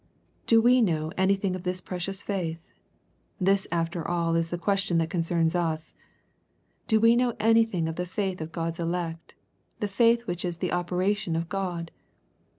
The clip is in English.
'' Do we know anything of this precious faith ? This, after all, is the question that concerns us. Do we know anything of the faith of God's elect, the faith which is of the operation of God